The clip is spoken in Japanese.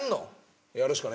やるしかねえな。